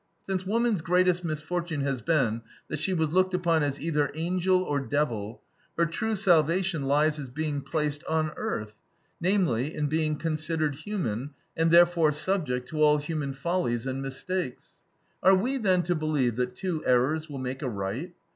Since woman's greatest misfortune has been that she was looked upon as either angel or devil, her true salvation lies in being placed on earth; namely, in being considered human, and therefore subject to all human follies and mistakes. Are we, then, to believe that two errors will make a right?